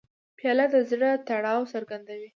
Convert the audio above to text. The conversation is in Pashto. پیاله د زړه تړاو څرګندوي.